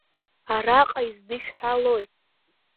Араҟа издышәҳәалои?